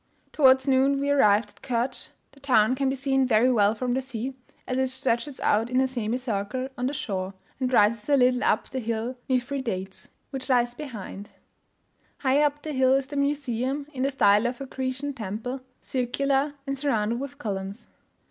Towards noon we arrived at Kertsch; the town can be seen very well from the sea, as it stretches out in a semi circle on the shore, and rises a little up the hill Mithridates , which lies behind. Higher up the hill is the museum, in the style of a Grecian temple circular, and surrounded with columns.